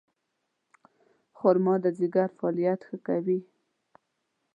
خرما د ځیګر فعالیت ښه کوي.